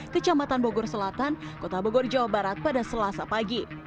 kecamatan bogor selatan kota bogor jawa barat pada selasa pagi